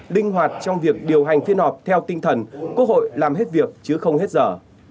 linh hoạt trong việc điều hành phiên họp theo tinh thần quốc hội làm hết việc chứ không hết giờ